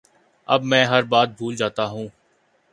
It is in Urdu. اب میں ہر بات بھول جاتا ہوں